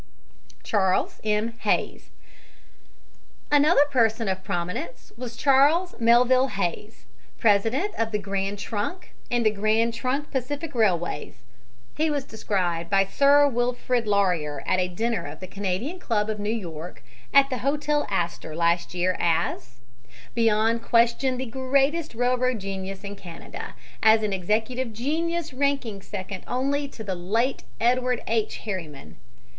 CHARLES M. HAYS Another person of prominence was Charles Melville Hays, president of the Grand Trunk and the Grand Trunk Pacific railways. He was described by Sir Wilfrid Laurier at a dinner of the Canadian Club of New York, at the Hotel Astor last year, as "beyond question the greatest railroad genius in Canada, as an executive genius ranking second only to the late Edward H. Harriman."